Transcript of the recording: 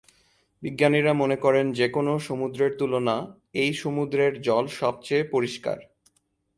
বিজ্ঞানীরা মনে করেন যে কোনও সমুদ্রের তুলনা এই সমুদ্রের জল সবচেয়ে পরিষ্কার।